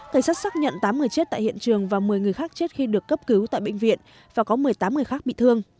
cảnh sát xác nhận tám người chết tại hiện trường và một mươi người khác chết khi được cấp cứu tại bệnh viện và có một mươi tám người khác bị thương